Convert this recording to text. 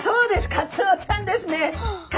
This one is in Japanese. カツオちゃんですね。